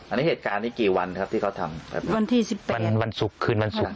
อันนี้เหตุการณ์นี้กี่วันครับที่เขาทำวันที่สิบแปดวันวันศุกร์คืนวันศุกร์